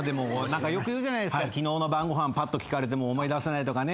よく言うじゃないですか昨日の晩ご飯パッと聞かれても思い出せないとかね。